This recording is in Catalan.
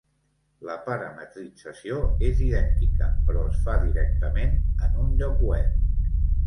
La parametrització és idèntica, però es fa directament en un lloc web.